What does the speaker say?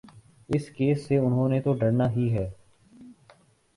اس case سے انہوں نے تو ڈرنا ہی ہے۔